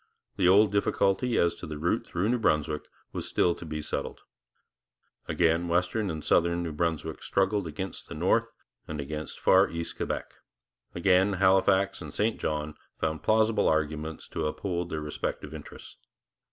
The old difficulty as to the route through New Brunswick was still to be settled. Again western and southern New Brunswick struggled against the north and against far east Quebec; again Halifax and St John found plausible arguments to uphold their respective interests.